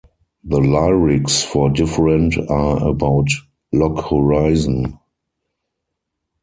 The lyrics for "Different" are about "Log Horizon".